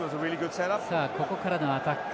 ここからのアタック。